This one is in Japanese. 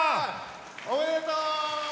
おめでとう！